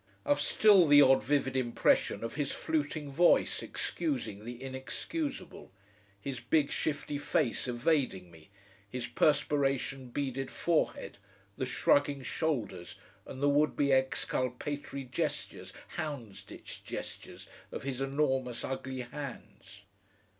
I've still the odd vivid impression of his fluting voice, excusing the inexcusable, his big, shifty face evading me, his perspiration beaded forehead, the shrugging shoulders, and the would be exculpatory gestures Houndsditch gestures of his enormous ugly hands.